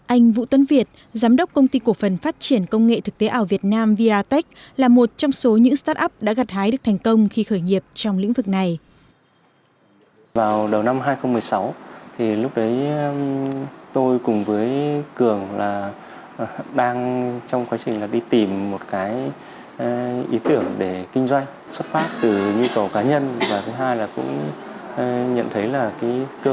anh vũ tuấn việt giám đốc công ty cổ phần phát triển công nghệ thực tế ảo việt nam viratech là một trong số những start up đã gặt hái được thành công khi khởi nghiệp trong lĩnh vực này